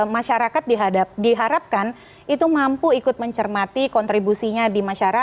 masyarakat diharapkan itu mampu ikut mencermati kontribusinya di masyarakat